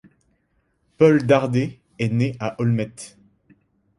Paul Dardé est né à Olmet.